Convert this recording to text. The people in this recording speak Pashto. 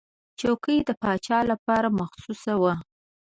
چوکۍ د پاچا لپاره مخصوصه وه.